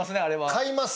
買います。